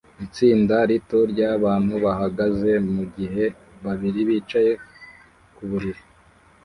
Itsinda rito ryabantu bahagaze mugihe babiri bicaye ku buriri